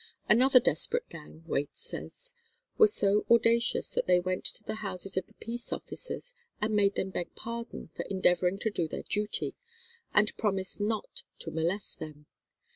Another desperate gang, Wade says, were so audacious that they went to the houses of the peace officers, and made them beg pardon for endeavouring to do their duty, and promise not to molest them.